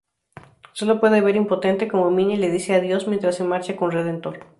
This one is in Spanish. Solo puede ver impotente, como Minnie le dice adiós, mientras se marcha con Redentor.